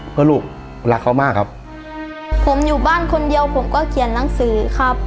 เพื่อลูกรักเขามากครับผมอยู่บ้านคนเดียวผมก็เขียนหนังสือครับ